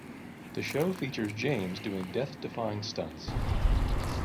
The show features James doing death defying stunts.